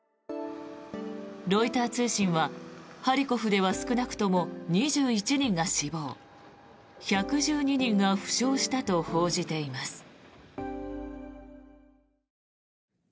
ロイター通信は、ハリコフでは少なくとも２１人が死亡１１２人が負傷したと報じています。